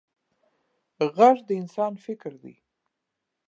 غږ د انسان فکر دی